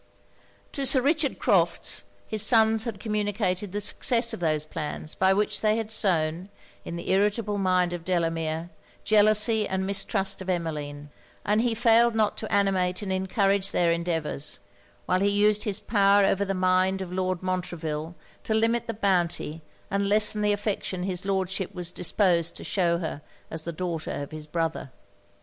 To Sir Richard Crofts, his sons had communicated the success of those plans, by which they had sown, in the irritable mind of Delamere, jealousy and mistrust of Emmeline; and he failed not to animate and encourage their endeavours, while he used his power over the mind of Lord Montreville to limit the bounty and lessen the affection his Lordship was disposed to shew her as the daughter of his brother.